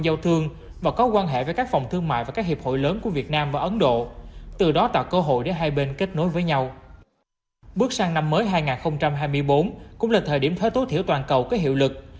bước sang năm mới hai nghìn hai mươi bốn cũng là thời điểm thuế tối thiểu toàn cầu có hiệu lực